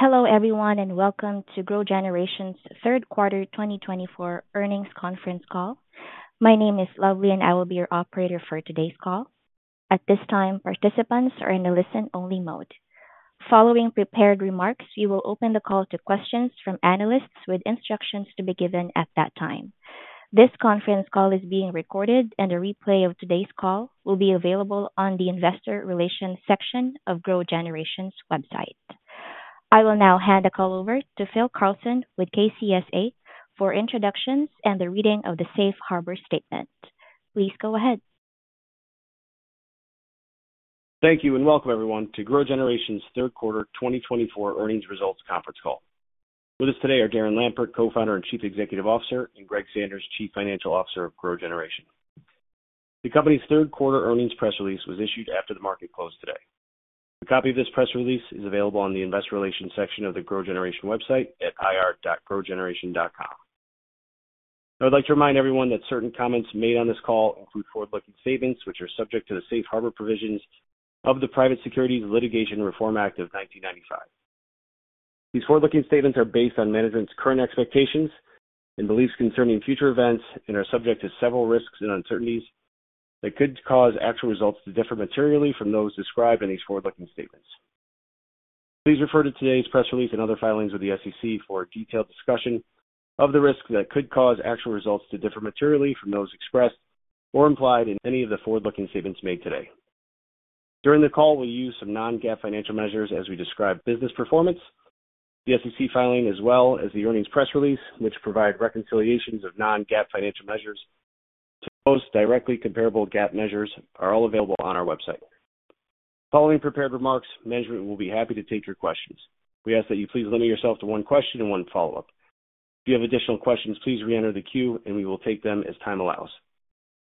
Hello everyone and welcome to GrowGeneration's Third Quarter 2024 earnings Conference Call. My name is Lovely, and I will be your operator for today's call. At this time, participants are in a listen-only mode. Following prepared remarks, we will open the call to questions from analysts with instructions to be given at that time. This conference call is being recorded, and a replay of today's call will be available on the investor relations section of GrowGeneration's website. I will now hand the call over to Phil Carlson with KCSA for introductions and the reading of the Safe Harbor Statement. Please go ahead. Thank you and welcome everyone to GrowGeneration's third quarter 2024 earnings results conference call. With us today are Darren Lampert, Co-founder and Chief Executive Officer, and Greg Sanders, Chief Financial Officer of GrowGeneration. The company's third quarter earnings press release was issued after the market closed today. A copy of this press release is available on the investor relations section of the GrowGeneration website at ir.growgeneration.com. I would like to remind everyone that certain comments made on this call include forward-looking statements which are subject to the safe harbor provisions of the Private Securities Litigation Reform Act of 1995. These forward-looking statements are based on management's current expectations and beliefs concerning future events and are subject to several risks and uncertainties that could cause actual results to differ materially from those described in these forward-looking statements. Please refer to today's press release and other filings with the SEC for a detailed discussion of the risks that could cause actual results to differ materially from those expressed or implied in any of the forward-looking statements made today. During the call, we'll use some Non-GAAP financial measures as we describe business performance. The SEC filing, as well as the earnings press release, which provide reconciliations of Non-GAAP financial measures to most directly comparable GAAP measures, are all available on our website. Following prepared remarks, management will be happy to take your questions. We ask that you please limit yourself to one question and one follow-up. If you have additional questions, please re-enter the queue, and we will take them as time allows.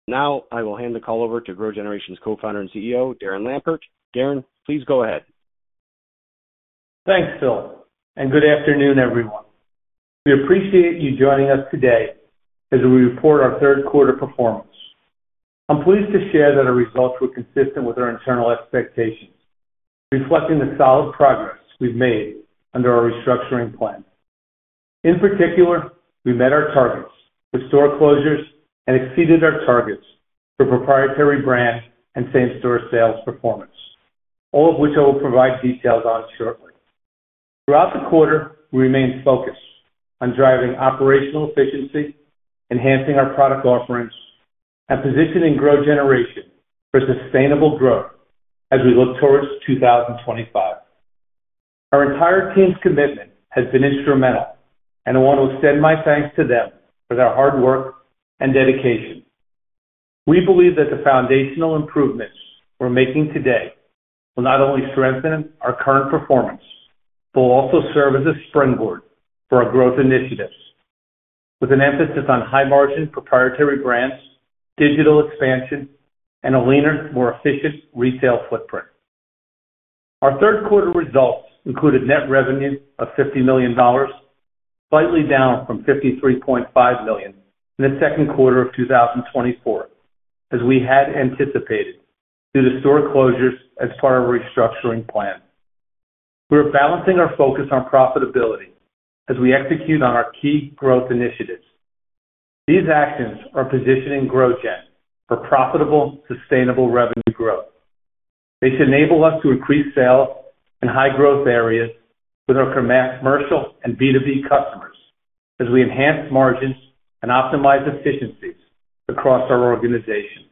Now, I will hand the call over to GrowGeneration's Co-founder and CEO, Darren Lampert. Darren, please go ahead. Thanks, Phil, and good afternoon, everyone. We appreciate you joining us today as we report our third quarter performance. I'm pleased to share that our results were consistent with our internal expectations, reflecting the solid progress we've made under our restructuring plan. In particular, we met our targets with store closures and exceeded our targets for proprietary brand and same-store sales performance, all of which I will provide details on shortly. Throughout the quarter, we remained focused on driving operational efficiency, enhancing our product offerings, and positioning GrowGeneration for sustainable growth as we look towards 2025. Our entire team's commitment has been instrumental, and I want to extend my thanks to them for their hard work and dedication. We believe that the foundational improvements we're making today will not only strengthen our current performance but will also serve as a springboard for our growth initiatives, with an emphasis on high-margin proprietary brands, digital expansion, and a leaner, more efficient retail footprint. Our third quarter results included net revenue of $50 million, slightly down from $53.5 million in the second quarter of 2024, as we had anticipated due to store closures as part of our restructuring plan. We are balancing our focus on profitability as we execute on our key growth initiatives. These actions are positioning GrowGen for profitable, sustainable revenue growth. They should enable us to increase sales in high-growth areas with our commercial and B2B customers as we enhance margins and optimize efficiencies across our organization.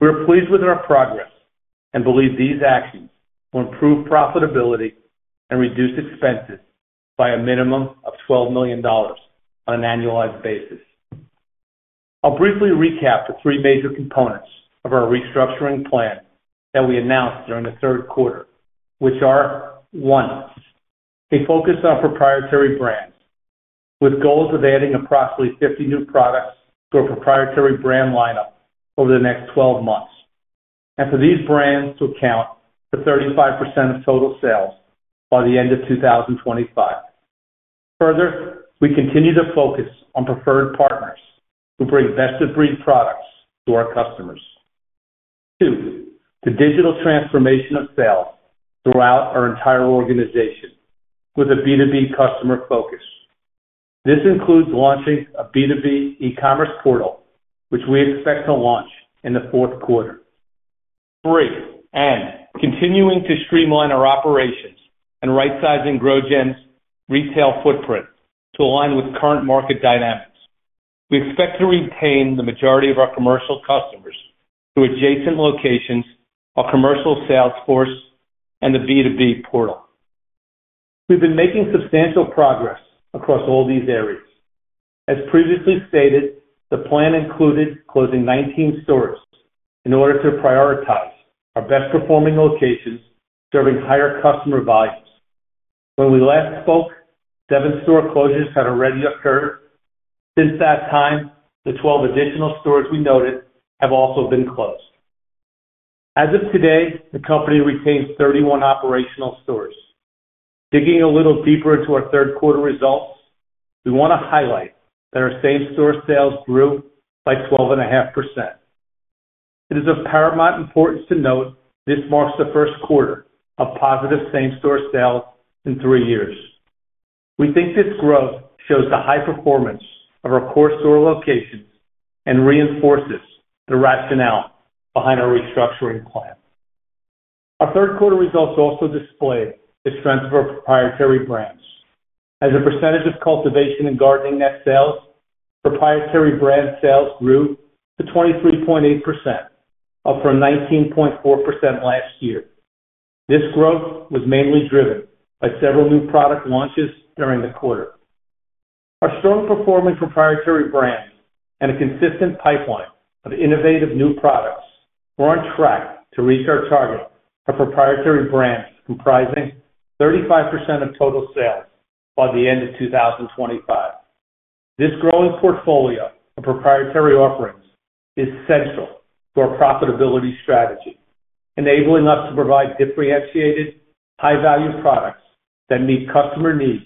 We are pleased with our progress and believe these actions will improve profitability and reduce expenses by a minimum of $12 million on an annualized basis. I'll briefly recap the three major components of our restructuring plan that we announced during the third quarter, which are: one, a focus on proprietary brands with goals of adding approximately 50 new products to our proprietary brand lineup over the next 12 months, and for these brands to account for 35% of total sales by the end of 2025. Further, we continue to focus on preferred partners who bring best-of-breed products to our customers. Two, the digital transformation of sales throughout our entire organization with a B2B customer focus. This includes launching a B2B e-commerce portal, which we expect to launch in the fourth quarter. Three, and continuing to streamline our operations and right-sizing GrowGen's retail footprint to align with current market dynamics. We expect to retain the majority of our commercial customers through adjacent locations, our commercial sales force, and the B2B portal. We've been making substantial progress across all these areas. As previously stated, the plan included closing 19 stores in order to prioritize our best-performing locations serving higher customer values. When we last spoke, seven store closures had already occurred. Since that time, the 12 additional stores we noted have also been closed. As of today, the company retains 31 operational stores. Digging a little deeper into our third quarter results, we want to highlight that our same-store sales grew by 12.5%. It is of paramount importance to note this marks the first quarter of positive same-store sales in three years. We think this growth shows the high performance of our core store locations and reinforces the rationale behind our restructuring plan. Our third quarter results also display the strength of our proprietary brands. As a percentage of cultivation and gardening net sales, proprietary brand sales grew to 23.8%, up from 19.4% last year. This growth was mainly driven by several new product launches during the quarter. Our strong performing proprietary brands and a consistent pipeline of innovative new products were on track to reach our target of proprietary brands comprising 35% of total sales by the end of 2025. This growing portfolio of proprietary offerings is central to our profitability strategy, enabling us to provide differentiated, high-value products that meet customer needs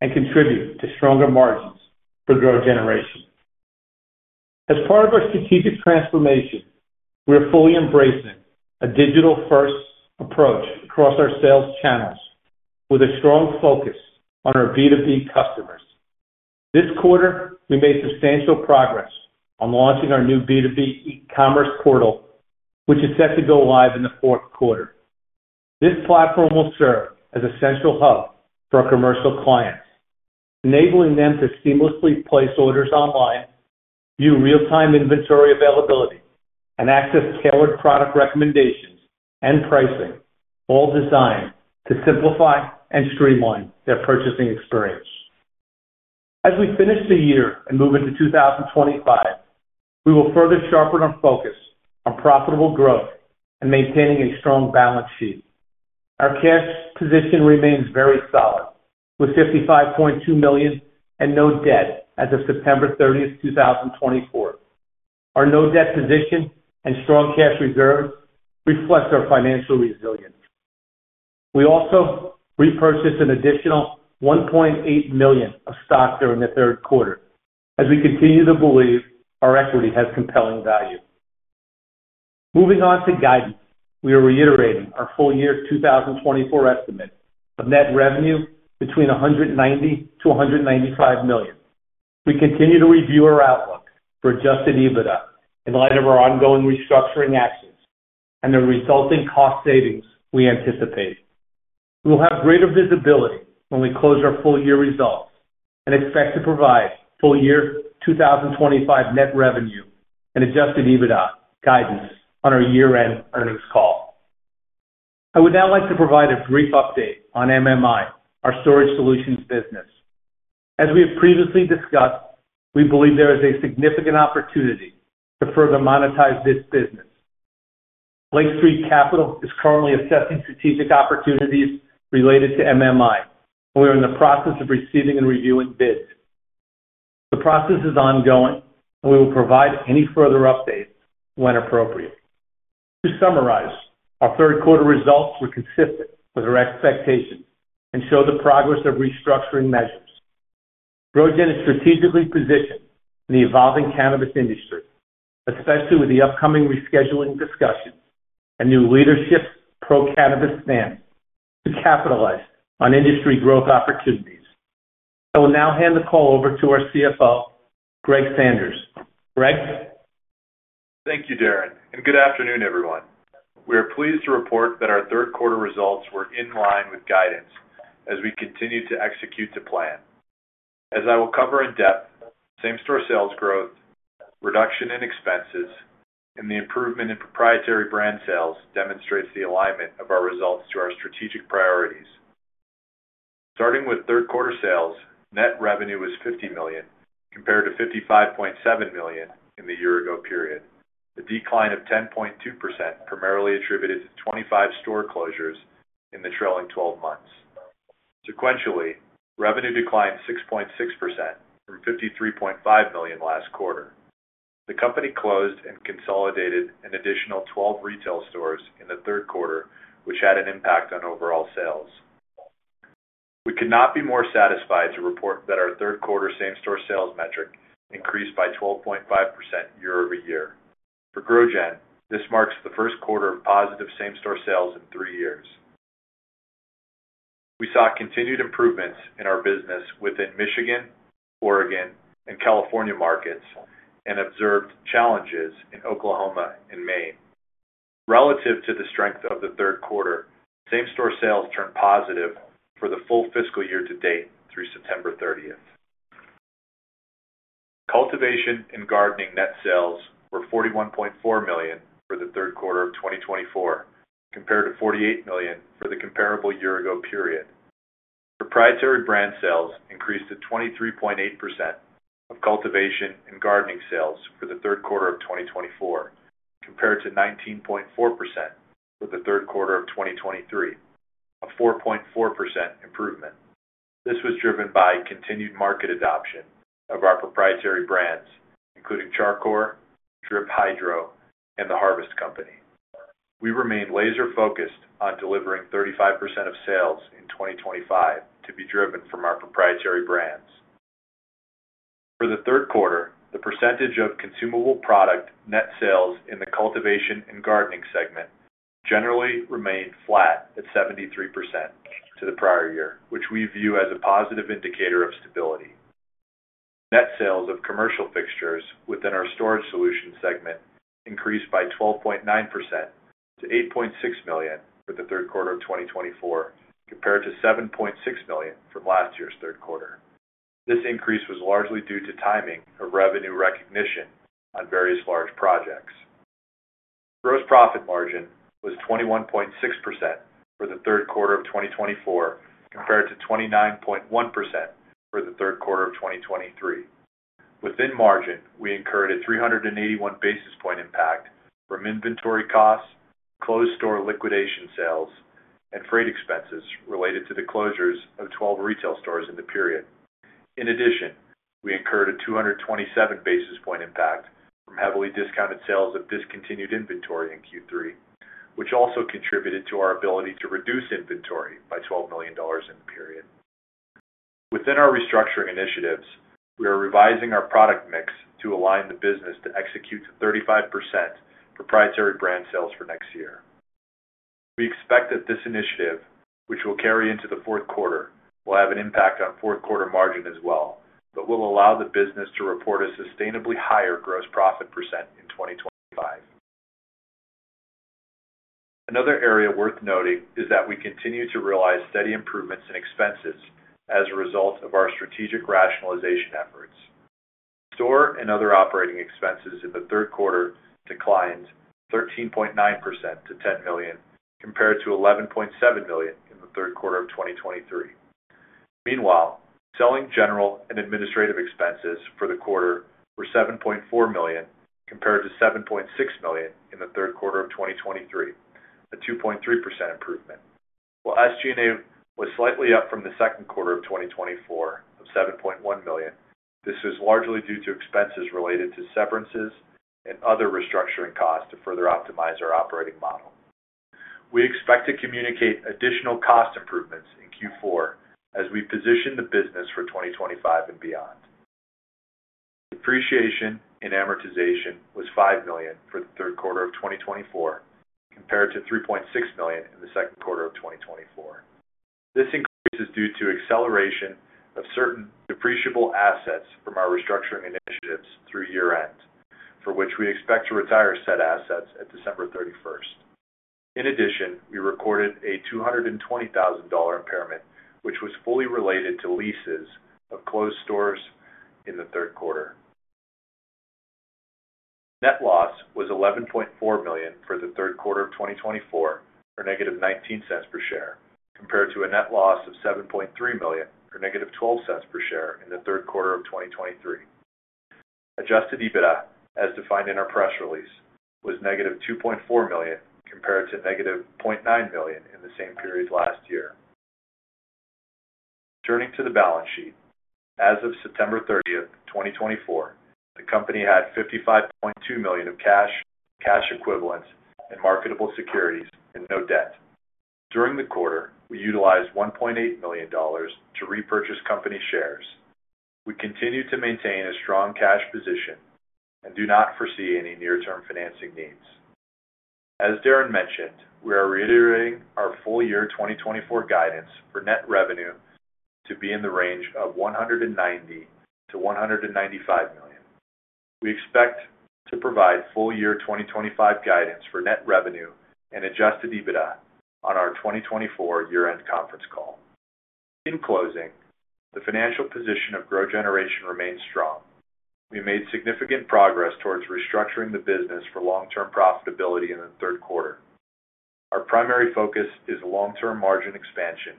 and contribute to stronger margins for GrowGeneration. As part of our strategic transformation, we are fully embracing a digital-first approach across our sales channels with a strong focus on our B2B customers. This quarter, we made substantial progress on launching our new B2B e-commerce portal, which is set to go live in the fourth quarter. This platform will serve as a central hub for our commercial clients, enabling them to seamlessly place orders online, view real-time inventory availability, and access tailored product recommendations and pricing, all designed to simplify and streamline their purchasing experience. As we finish the year and move into 2025, we will further sharpen our focus on profitable growth and maintaining a strong balance sheet. Our cash position remains very solid with $55.2 million and no debt as of September 30, 2024. Our no-debt position and strong cash reserves reflect our financial resilience. We also repurchased an additional $1.8 million of stock during the third quarter as we continue to believe our equity has compelling value. Moving on to guidance, we are reiterating our full-year 2024 estimate of net revenue between $190-$195 million. We continue to review our outlook for Adjusted EBITDA in light of our ongoing restructuring actions and the resulting cost savings we anticipate. We will have greater visibility when we close our full-year results and expect to provide full-year 2025 net revenue and Adjusted EBITDA guidance on our year-end earnings call. I would now like to provide a brief update on MMI, our storage solutions business. As we have previously discussed, we believe there is a significant opportunity to further monetize this business. Lake Street Capital is currently assessing strategic opportunities related to MMI, and we are in the process of receiving and reviewing bids. The process is ongoing, and we will provide any further updates when appropriate. To summarize, our third quarter results were consistent with our expectations and show the progress of restructuring measures. GrowGen is strategically positioned in the evolving cannabis industry, especially with the upcoming rescheduling discussions and new leadership's pro-cannabis stance to capitalize on industry growth opportunities. I will now hand the call over to our CFO, Greg Sanders. Greg? Thank you, Darren, and good afternoon, everyone. We are pleased to report that our third quarter results were in line with guidance as we continue to execute the plan. As I will cover in depth, same-store sales growth, reduction in expenses, and the improvement in proprietary brand sales demonstrates the alignment of our results to our strategic priorities. Starting with third quarter sales, net revenue was $50 million compared to $55.7 million in the year-ago period, a decline of 10.2% primarily attributed to 25 store closures in the trailing 12 months. Sequentially, revenue declined 6.6% from $53.5 million last quarter. The company closed and consolidated an additional 12 retail stores in the third quarter, which had an impact on overall sales. We could not be more satisfied to report that our third quarter same-store sales metric increased by 12.5% year-over-year. For GrowGen, this marks the first quarter of positive same-store sales in three years. We saw continued improvements in our business within Michigan, Oregon, and California markets and observed challenges in Oklahoma and Maine. Relative to the strength of the third quarter, same-store sales turned positive for the full fiscal year to date through September 30. Cultivation and gardening net sales were $41.4 million for the third quarter of 2024 compared to $48 million for the comparable year-ago period. Proprietary brand sales increased to 23.8% of cultivation and gardening sales for the third quarter of 2024 compared to 19.4% for the third quarter of 2023, a 4.4% improvement. This was driven by continued market adoption of our proprietary brands, including Char Coir, Drip Hydro, and The Harvest Company. We remain laser-focused on delivering 35% of sales in 2025 to be driven from our proprietary brands. For the third quarter, the percentage of consumable product net sales in the cultivation and gardening segment generally remained flat at 73% to the prior year, which we view as a positive indicator of stability. Net sales of commercial fixtures within our storage solution segment increased by 12.9% to $8.6 million for the third quarter of 2024 compared to $7.6 million from last year's third quarter. This increase was largely due to timing of revenue recognition on various large projects. Gross profit margin was 21.6% for the third quarter of 2024 compared to 29.1% for the third quarter of 2023. Within margin, we incurred a 381 basis points impact from inventory costs, closed-store liquidation sales, and freight expenses related to the closures of 12 retail stores in the period. In addition, we incurred a 227 basis points impact from heavily discounted sales of discontinued inventory in Q3, which also contributed to our ability to reduce inventory by $12 million in the period. Within our restructuring initiatives, we are revising our product mix to align the business to execute 35% proprietary brand sales for next year. We expect that this initiative, which we'll carry into the fourth quarter, will have an impact on fourth quarter margin as well, but will allow the business to report a sustainably higher gross profit percent in 2025. Another area worth noting is that we continue to realize steady improvements in expenses as a result of our strategic rationalization efforts. Store and other operating expenses in the third quarter declined 13.9% to $10 million compared to $11.7 million in the third quarter of 2023. Meanwhile, Selling, General, and Administrative expenses for the quarter were $7.4 million compared to $7.6 million in the third quarter of 2023, a 2.3% improvement. While SG&A was slightly up from the second quarter of 2024 of $7.1 million, this was largely due to expenses related to severances and other restructuring costs to further optimize our operating model. We expect to communicate additional cost improvements in Q4 as we position the business for 2025 and beyond. Depreciation and amortization was $5 million for the third quarter of 2024 compared to $3.6 million in the second quarter of 2024. This increase is due to acceleration of certain depreciable assets from our restructuring initiatives through year-end, for which we expect to retire said assets at December 31. In addition, we recorded a $220,000 impairment, which was fully related to leases of closed stores in the third quarter.Net loss was $11.4 million for the third quarter of 2024 or negative ($0.19) per share compared to a net loss of $7.3 million or negative $0.12 per share in the third quarter of 2023. Adjusted EBITDA, as defined in our press release, was negative $2.4 million compared to negative $0.9 million in the same period last year. Turning to the balance sheet, as of September 30, 2024, the company had $55.2 million of cash, cash equivalents, and marketable securities and no debt. During the quarter, we utilized $1.8 million to repurchase company shares. We continue to maintain a strong cash position and do not foresee any near-term financing needs. As Darren mentioned, we are reiterating our full-year 2024 guidance for net revenue to be in the range of $190-$195 million. We expect to provide full-year 2025 guidance for net revenue and Adjusted EBITDA on our 2024 year-end conference call. In closing, the financial position of GrowGeneration remains strong. We made significant progress towards restructuring the business for long-term profitability in the third quarter. Our primary focus is long-term margin expansion,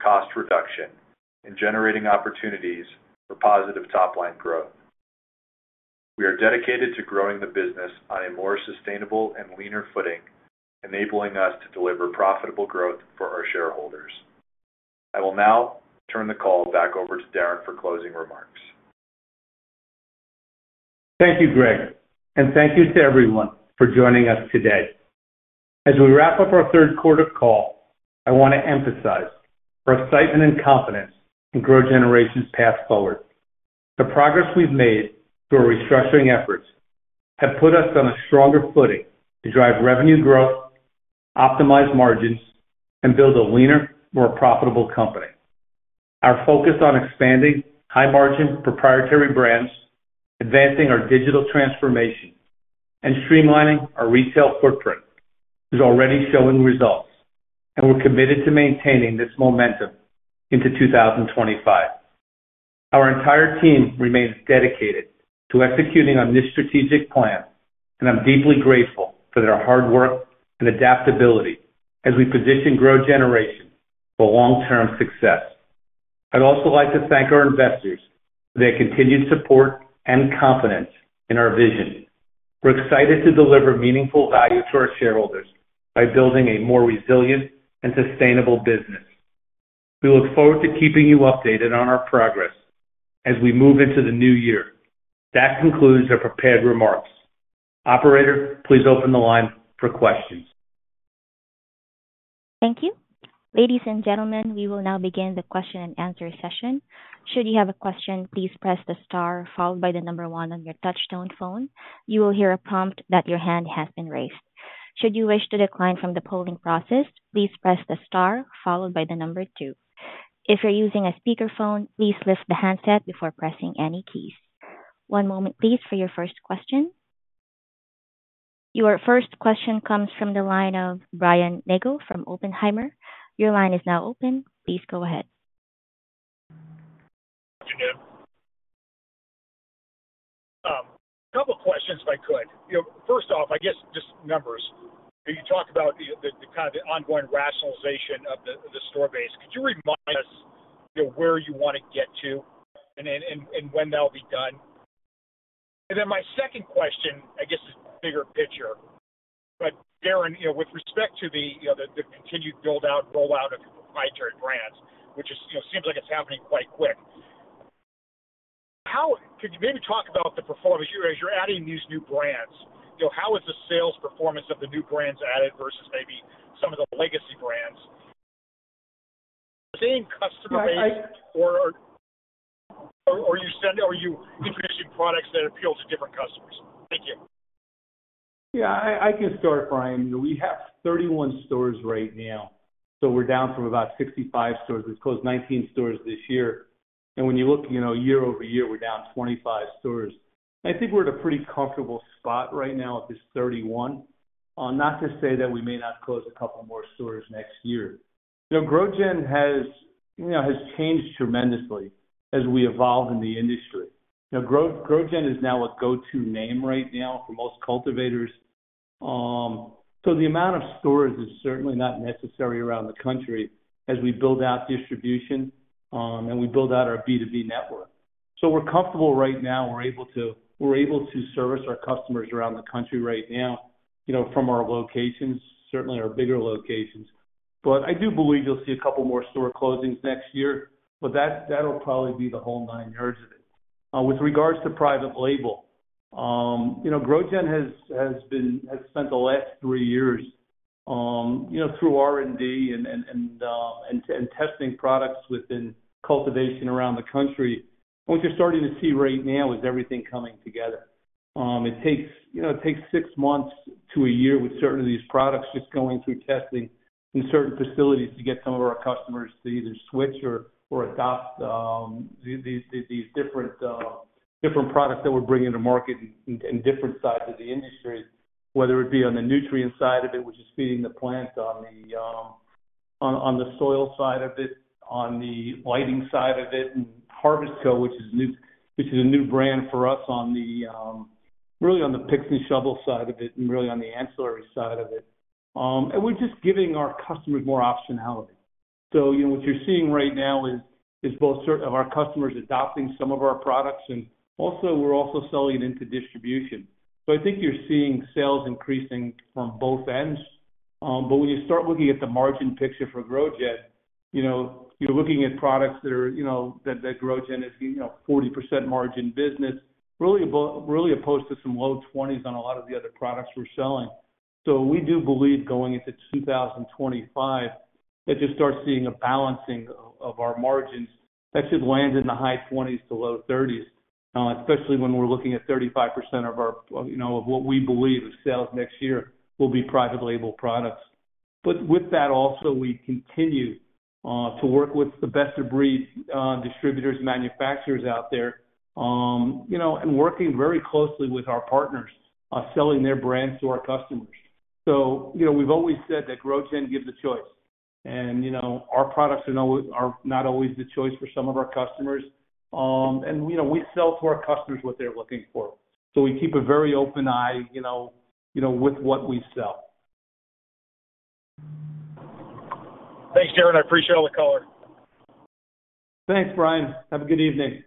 cost reduction, and generating opportunities for positive top-line growth. We are dedicated to growing the business on a more sustainable and leaner footing, enabling us to deliver profitable growth for our shareholders. I will now turn the call back over to Darren for closing remarks. Thank you, Greg, and thank you to everyone for joining us today. As we wrap up our third quarter call, I want to emphasize our excitement and confidence in GrowGeneration's path forward. The progress we've made through our restructuring efforts has put us on a stronger footing to drive revenue growth, optimize margins, and build a leaner, more profitable company. Our focus on expanding high-margin proprietary brands, advancing our digital transformation, and streamlining our retail footprint is already showing results, and we're committed to maintaining this momentum into 2025. Our entire team remains dedicated to executing on this strategic plan, and I'm deeply grateful for their hard work and adaptability as we position GrowGeneration for long-term success. I'd also like to thank our investors for their continued support and confidence in our vision. We're excited to deliver meaningful value to our shareholders by building a more resilient and sustainable business. We look forward to keeping you updated on our progress as we move into the new year. That concludes our prepared remarks. Operator, please open the line for questions. Thank you. Ladies and gentlemen, we will now begin the question-and-answer session. Should you have a question, please press the star followed by the number one on your touch-tone phone. You will hear a prompt that your hand has been raised. Should you wish to decline from the polling process, please press the star followed by the number two. If you're using a speakerphone, please lift the handset before pressing any keys. One moment, please, for your first question. Your first question comes from the line of Brian Nagel from Oppenheimer. Your line is now open. Please go ahead. Hey, Darren. A couple of questions, if I could. First off, I guess just numbers. You talked about the kind of ongoing rationalization of the store base. Could you remind us where you want to get to and when that'll be done? And then my second question, I guess, is bigger picture. But Darren, with respect to the continued build-out, rollout of your proprietary brands, which seems like it's happening quite quick, could you maybe talk about the performance as you're adding these new brands? How is the sales performance of the new brands added versus maybe some of the legacy brands? Are you seeing customer base? Yeah, I. Or are you introducing products that appeal to different customers? Thank you. Yeah, I can start, Brian. We have 31 stores right now, so we're down from about 65 stores. We closed 19 stores this year. And when you look year over year, we're down 25 stores. I think we're at a pretty comfortable spot right now at this 31, not to say that we may not close a couple more stores next year. GrowGeneration has changed tremendously as we evolve in the industry. GrowGeneration is now a go-to name right now for most cultivators. So the amount of stores is certainly not necessary around the country as we build out distribution and we build out our B2B network. So we're comfortable right now. We're able to service our customers around the country right now from our locations, certainly our bigger locations. But I do believe you'll see a couple more store closings next year, but that'll probably be the whole nine yards of it. With regards to private label, GrowGen has spent the last three years through R&D and testing products within cultivation around the country. What you're starting to see right now is everything coming together. It takes six months to a year with certain of these products just going through testing in certain facilities to get some of our customers to either switch or adopt these different products that we're bringing to market in different sides of the industry, whether it be on the nutrient side of it, which is feeding the plant, on the soil side of it, on the lighting side of it, and Harvest Co, which is a new brand for us really on the picks and shovels side of it and really on the ancillary side of it. And we're just giving our customers more optionality. So what you're seeing right now is both our customers adopting some of our products, and we're also selling it into distribution. So I think you're seeing sales increasing from both ends. But when you start looking at the margin picture for GrowGen, you're looking at products that GrowGen is 40% margin business, really opposed to some low 20s on a lot of the other products we're selling. So we do believe going into 2025, that you'll start seeing a balancing of our margins that should land in the high 20s-low 30s, especially when we're looking at 35% of what we believe sales next year will be private label products. But with that, also, we continue to work with the best-of-breed distributors, manufacturers out there, and working very closely with our partners selling their brands to our customers. So we've always said that GrowGen gives a choice, and our products are not always the choice for some of our customers. And we sell to our customers what they're looking for. We keep a very open eye with what we sell. Thanks, Darren. I appreciate all the color. Thanks, Brian. Have a good evening.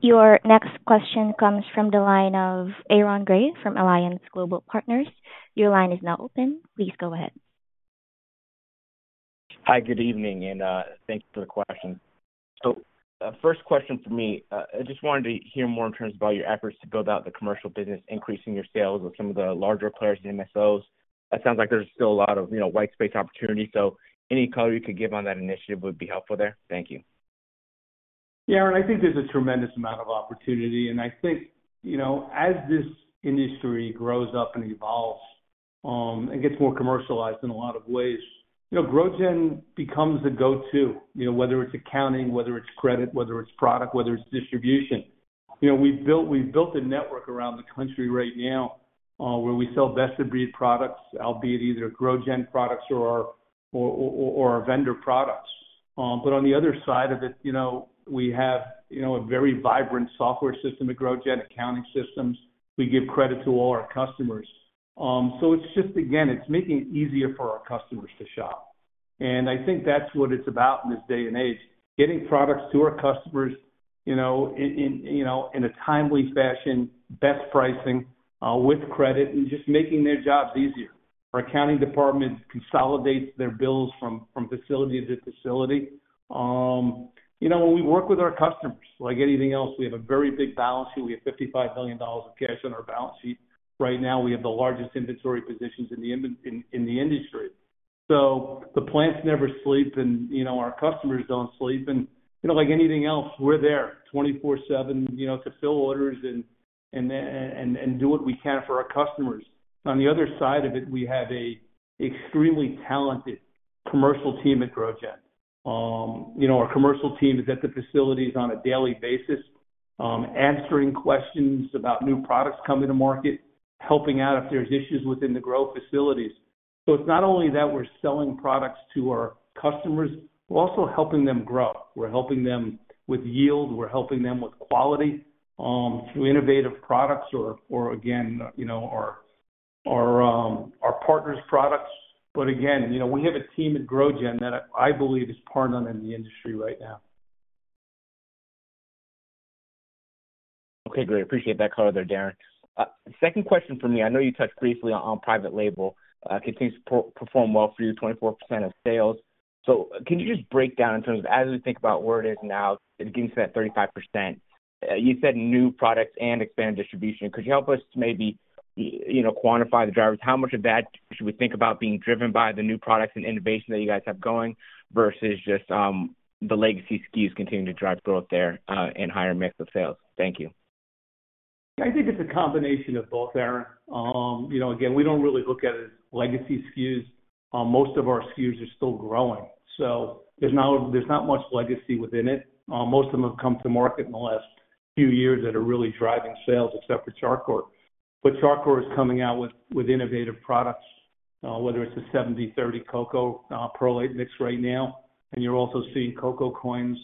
Your next question comes from the line of Aaron Gray from Alliance Global Partners. Your line is now open. Please go ahead. Hi, good evening, and thank you for the question. So first question for me, I just wanted to hear more in terms of all your efforts to build out the commercial business, increasing your sales with some of the larger players and MSOs. It sounds like there's still a lot of white space opportunity. So any color you could give on that initiative would be helpful there. Thank you. Yeah, and I think there's a tremendous amount of opportunity. And I think as this industry grows up and evolves and gets more commercialized in a lot of ways, GrowGeneration becomes the go-to. Whether it's accounting, whether it's credit, whether it's product, whether it's distribution, we've built a network around the country right now where we sell best-of-breed products, albeit either GrowGeneration products or our vendor products. But on the other side of it, we have a very vibrant software system at GrowGeneration, accounting systems. We give credit to all our customers. So it's just, again, it's making it easier for our customers to shop. And I think that's what it's about in this day and age, getting products to our customers in a timely fashion, best pricing, with credit, and just making their jobs easier. Our accounting department consolidates their bills from facility to facility. When we work with our customers, like anything else, we have a very big balance sheet. We have $55 million of cash on our balance sheet right now. We have the largest inventory positions in the industry. So the plants never sleep, and our customers don't sleep. And like anything else, we're there 24/7 to fill orders and do what we can for our customers. On the other side of it, we have an extremely talented commercial team at GrowGen. Our commercial team is at the facilities on a daily basis, answering questions about new products coming to market, helping out if there's issues within the grow facilities. So it's not only that we're selling products to our customers, we're also helping them grow. We're helping them with yield. We're helping them with quality through innovative products or, again, our partners' products. But again, we have a team at GrowGen that I believe is positioned in the industry right now. Okay, great. Appreciate that color there, Darren. Second question for me, I know you touched briefly on private label, continues to perform well for you, 24% of sales. So can you just break down in terms of as we think about where it is now, it gets to that 35%? You said new products and expanded distribution. Could you help us maybe quantify the drivers? How much of that should we think about being driven by the new products and innovation that you guys have going versus just the legacy SKUs continuing to drive growth there and higher mix of sales? Thank you. I think it's a combination of both, Darren. Again, we don't really look at it as legacy SKUs. Most of our SKUs are still growing. So there's not much legacy within it. Most of them have come to market in the last few years that are really driving sales, except for Char Coir. But Char Coir is coming out with innovative products, whether it's a 70/30 Coco Perlite mix right now. And you're also seeing Coco Coins.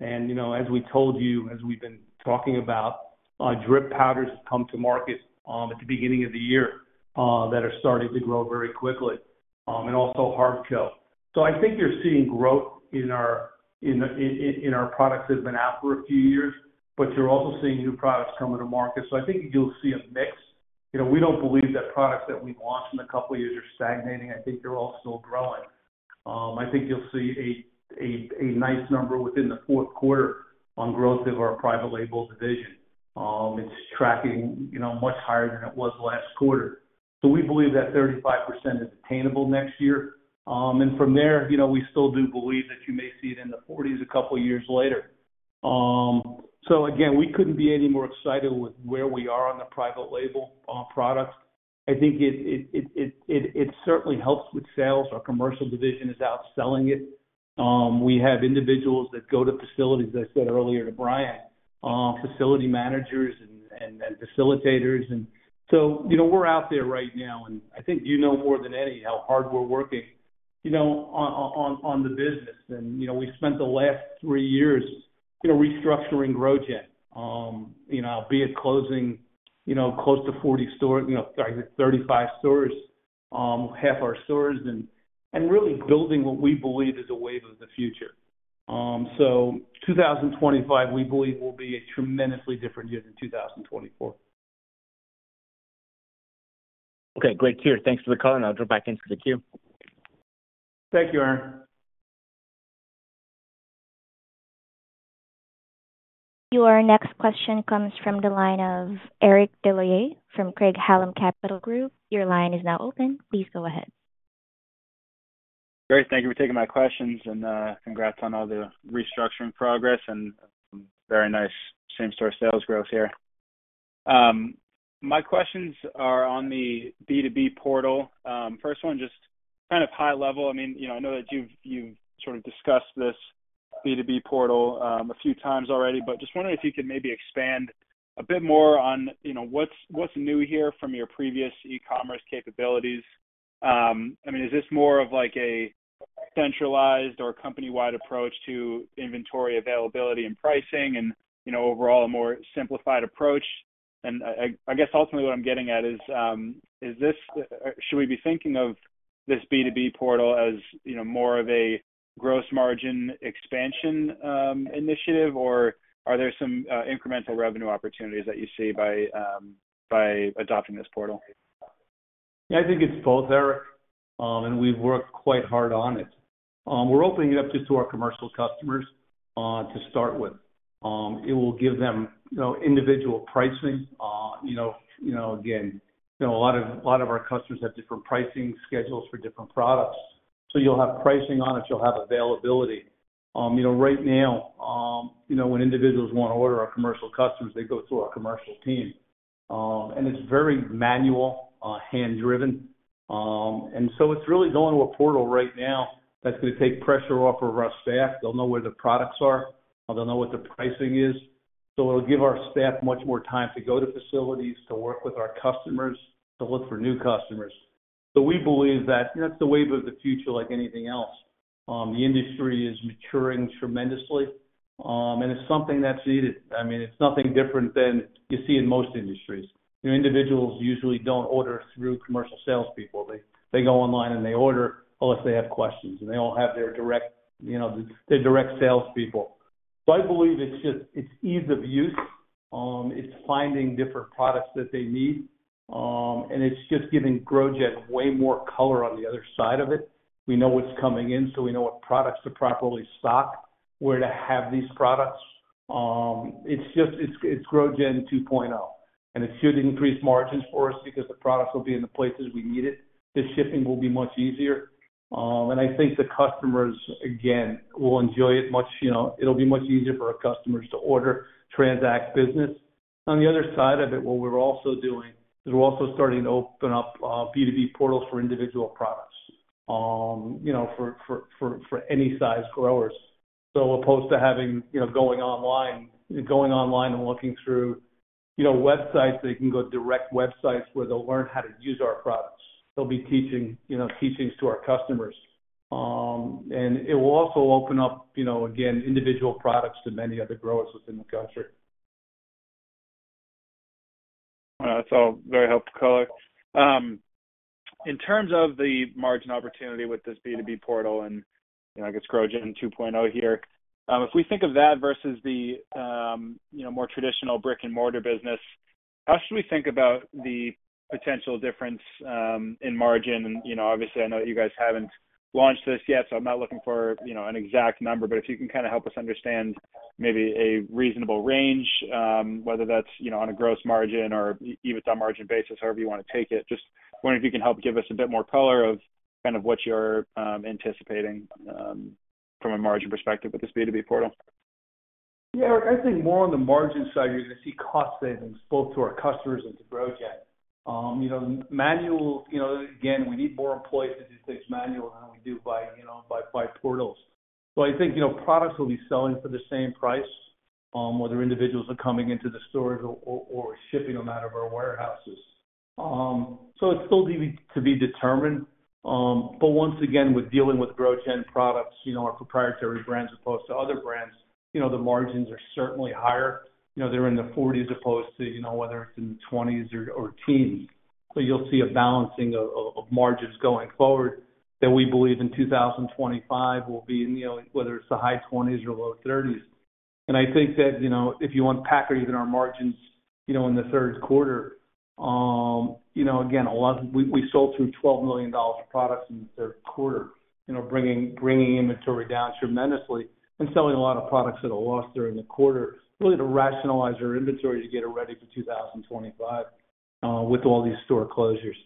And as we told you, as we've been talking about, drip powders have come to market at the beginning of the year that are starting to grow very quickly, and also Harvest Co. So I think you're seeing growth in our products that have been out for a few years, but you're also seeing new products coming to market. So I think you'll see a mix. We don't believe that products that we've launched in a couple of years are stagnating. I think they're all still growing. I think you'll see a nice number within the fourth quarter on growth of our private label division. It's tracking much higher than it was last quarter. So we believe that 35% is attainable next year. And from there, we still do believe that you may see it in the 40s a couple of years later. So again, we couldn't be any more excited with where we are on the private label products. I think it certainly helps with sales. Our commercial division is out selling it. We have individuals that go to facilities, as I said earlier to Brian, facility managers and facilitators. And so we're out there right now, and I think you know more than any how hard we're working on the business. We spent the last three years restructuring GrowGeneration, albeit closing close to 40 stores, sorry, 35 stores, half our stores, and really building what we believe is a wave of the future. 2025, we believe, will be a tremendously different year than 2024. Okay, great to hear. Thanks for the call, and I'll jump back into the queue. Thank you, Aaron. Your next question comes from the line of Eric Des Lauriers from Craig-Hallum Capital Group. Your line is now open. Please go ahead. Great. Thank you for taking my questions, and congrats on all the restructuring progress and very nice same-store sales growth here. My questions are on the B2B portal. First one, just kind of high level. I mean, I know that you've sort of discussed this B2B portal a few times already, but just wondering if you could maybe expand a bit more on what's new here from your previous e-commerce capabilities. I mean, is this more of a centralized or company-wide approach to inventory availability and pricing and overall a more simplified approach? And I guess ultimately what I'm getting at is, should we be thinking of this B2B portal as more of a gross margin expansion initiative, or are there some incremental revenue opportunities that you see by adopting this portal? Yeah, I think it's both, Eric, and we've worked quite hard on it. We're opening it up just to our commercial customers to start with. It will give them individual pricing. Again, a lot of our customers have different pricing schedules for different products. So you'll have pricing on it. You'll have availability. Right now, when individuals want to order, our commercial customers, they go through our commercial team. And it's very manual, hand-driven. And so it's really going to a portal right now that's going to take pressure off of our staff. They'll know where the products are. They'll know what the pricing is. So it'll give our staff much more time to go to facilities, to work with our customers, to look for new customers. So we believe that it's the wave of the future like anything else. The industry is maturing tremendously, and it's something that's needed. I mean, it's nothing different than you see in most industries. Individuals usually don't order through commercial salespeople. They go online and they order unless they have questions, and they all have their direct salespeople. So I believe it's ease of use. It's finding different products that they need, and it's just giving GrowGen way more color on the other side of it. We know what's coming in, so we know what products to properly stock, where to have these products. It's GrowGen 2.0, and it should increase margins for us because the products will be in the places we need it. The shipping will be much easier, and I think the customers, again, will enjoy it much. It'll be much easier for our customers to order, transact business. On the other side of it, what we're also doing is we're also starting to open up B2B portals for individual products for any size growers. So opposed to going online and looking through websites, they can go direct websites where they'll learn how to use our products. They'll be teaching to our customers. And it will also open up, again, individual products to many other growers within the country. That's all very helpful color. In terms of the margin opportunity with this B2B portal and, I guess, GrowGen 2.0 here, if we think of that versus the more traditional brick-and-mortar business, how should we think about the potential difference in margin? And obviously, I know that you guys haven't launched this yet, so I'm not looking for an exact number, but if you can kind of help us understand maybe a reasonable range, whether that's on a gross margin or even on a margin basis, however you want to take it, just wondering if you can help give us a bit more color of kind of what you're anticipating from a margin perspective with this B2B portal. Yeah, Eric, I think more on the margin side, you're going to see cost savings both to our customers and to GrowGen. Manually, again, we need more employees to do things manually than we do by portals. So I think products will be selling for the same price, whether individuals are coming into the stores or shipping them out of our warehouses. So it's still to be determined. But once again, with dealing with GrowGen products, our proprietary brands as opposed to other brands, the margins are certainly higher. They're in the 40s as opposed to whether it's in the 20s or teens. So you'll see a balancing of margins going forward that we believe in 2025 will be in whether it's the high 20s or low 30s. And I think that if you unpack even our margins in the third quarter, again, we sold through $12 million of products in the third quarter, bringing inventory down tremendously and selling a lot of products that are lost during the quarter, really to rationalize our inventory to get it ready for 2025 with all these store closures.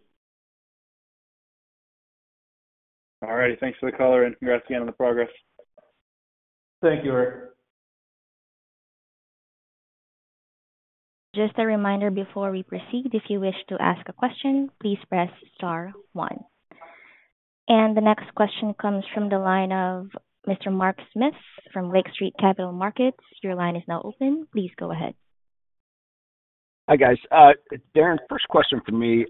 All righty. Thanks for the color and congrats again on the progress. Thank you, Eric. Just a reminder before we proceed, if you wish to ask a question, please press star one. And the next question comes from the line of Mr. Mark Smith from Lake Street Capital Markets. Your line is now open. Please go ahead. Hi guys. Darren, first question for me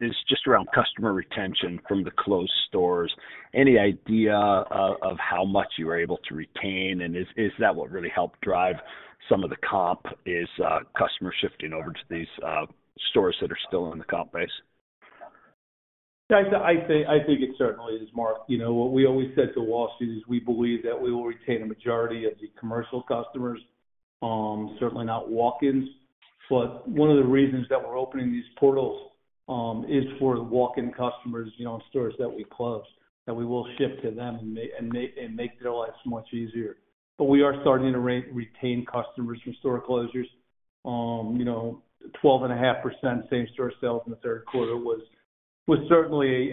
is just around customer retention from the closed stores. Any idea of how much you were able to retain, and is that what really helped drive some of the comp is customers shifting over to these stores that are still in the comp base? Guys, I think it certainly is Mark. What we always said to Wall Street is we believe that we will retain a majority of the commercial customers, certainly not walk-ins. But one of the reasons that we're opening these portals is for walk-in customers in stores that we close, that we will ship to them and make their lives much easier. But we are starting to retain customers from store closures. 12.5% same-store sales in the third quarter was certainly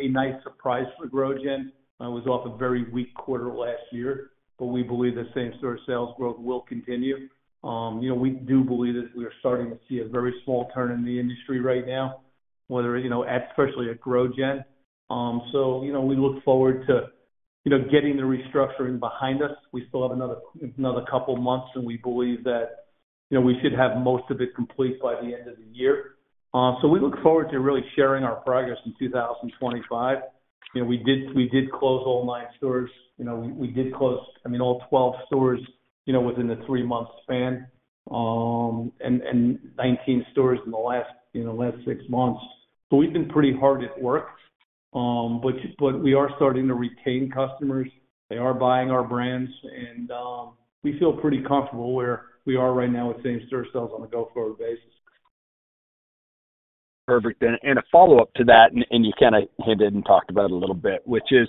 a nice surprise for GrowGen. It was off a very weak quarter last year, but we believe that same-store sales growth will continue. We do believe that we are starting to see a very small turn in the industry right now, especially at GrowGen. So we look forward to getting the restructuring behind us. We still have another couple of months, and we believe that we should have most of it complete by the end of the year. So we look forward to really sharing our progress in 2025. We did close all nine stores. We did close, I mean, all 12 stores within the three-month span and 19 stores in the last six months. So we've been pretty hard at work, but we are starting to retain customers. They are buying our brands, and we feel pretty comfortable where we are right now with same-store sales on a go-forward basis. Perfect. And a follow-up to that, and you kind of hinted and talked about it a little bit, which is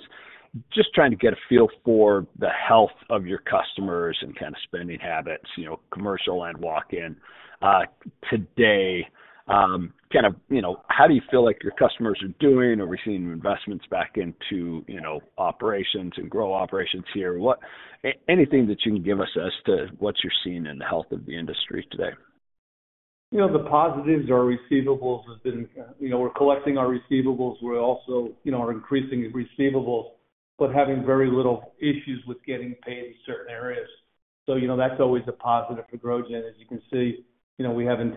just trying to get a feel for the health of your customers and kind of spending habits, commercial and walk-in today. Kind of how do you feel like your customers are doing? Are we seeing investments back into operations and grow operations here? Anything that you can give us as to what you're seeing in the health of the industry today? The positives are receivables. We're collecting our receivables. We're also increasing receivables, but having very little issues with getting paid in certain areas. So that's always a positive for GrowGen. As you can see, we haven't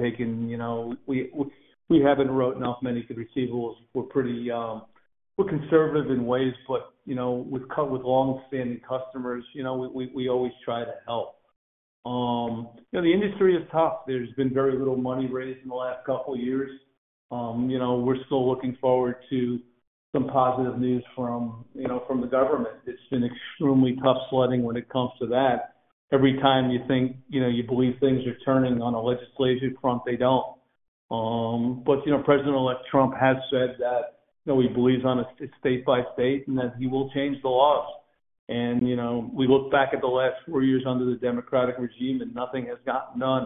written off many bad receivables. We're conservative in ways, but with long-standing customers, we always try to help. The industry is tough. There's been very little money raised in the last couple of years. We're still looking forward to some positive news from the government. It's been extremely tough sledding when it comes to that. Every time you believe things are turning on a legislative front, they don't. But President-elect Trump has said that he believes on it state by state and that he will change the laws. And we look back at the last four years under the Democratic regime, and nothing has gotten done.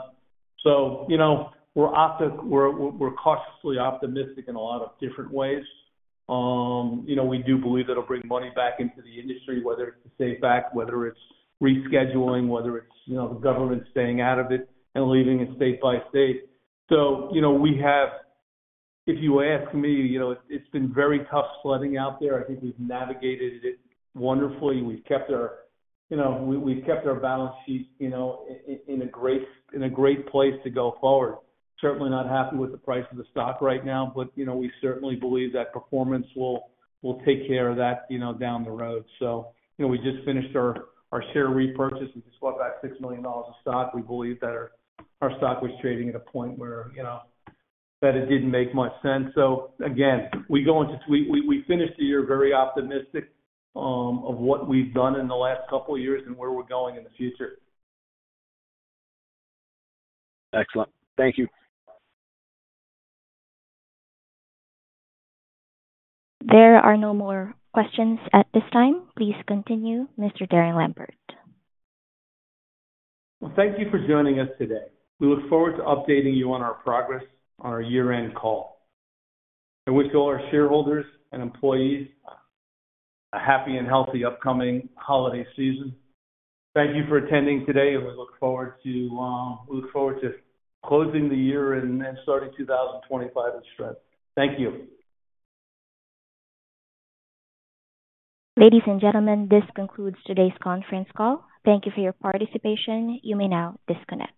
So we're cautiously optimistic in a lot of different ways. We do believe that it'll bring money back into the industry, whether it's to save back, whether it's rescheduling, whether it's the government staying out of it and leaving it state by state, so we have, if you ask me, it's been very tough sledding out there. I think we've navigated it wonderfully. We've kept our balance sheet in a great place to go forward. Certainly not happy with the price of the stock right now, but we certainly believe that performance will take care of that down the road, so we just finished our share repurchase and just bought back $6 million of stock. We believe that our stock was trading at a point where it didn't make much sense. So again, we finished the year very optimistic of what we've done in the last couple of years and where we're going in the future. Excellent. Thank you. There are no more questions at this time. Please continue, Mr. Lampert. Thank you for joining us today. We look forward to updating you on our progress on our year-end call. I wish all our shareholders and employees a happy and healthy upcoming holiday season. Thank you for attending today, and we look forward to closing the year and starting 2025 with strength. Thank you. Ladies and gentlemen, this concludes today's conference call. Thank you for your participation. You may now disconnect.